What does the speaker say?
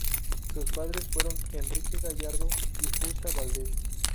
Sus padres fueron Enrique Gallardo y Justa Valdez.